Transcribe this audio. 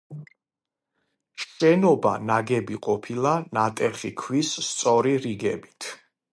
შენობა ნაგები ყოფილა ნატეხი ქვის სწორი რიგებით.